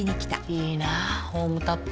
いいなホームタップ。